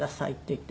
って。